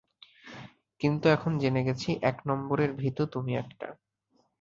কিন্তু এখন জেনে গেছি, এক নাম্বারের ভীতু তুমি একটা।